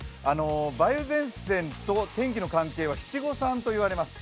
梅雨前線と天気の関係は七五三と言われます。